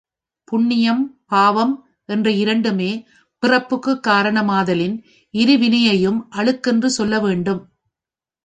புண்ணியம், பாவம் என்ற இரண்டுமே பிறப்புக்குக் காரணமாதலின் இரு வினையையும் அழுக்கென்று சொல்ல வேண்டும்.